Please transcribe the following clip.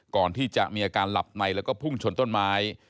ก่อนที่จะมีอาการหลับในแล้วก็พุ่งชนต้นไม้